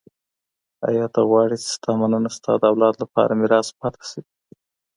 ایا ته غواړې چي ستا مننه ستا د اولاد لپاره میراث پاته سي؟